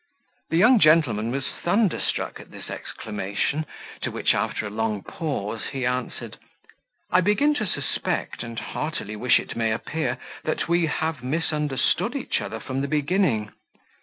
The young gentleman was thunderstruck at this exclamation; to which, after a long pause, he answered: "I begin to suspect, and heartily wish it may appear, that we have misunderstood each other from the beginning.